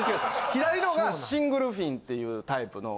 左のがシングルフィンっていうタイプの。